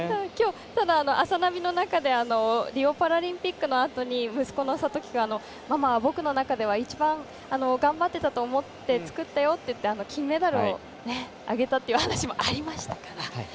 ただ「あさナビ」の中でリオパラリンピックのあとに息子の諭樹君、ママは僕の中では一番頑張っていたと思って作ったよって言って金メダルをあげたっていう話もありましたから。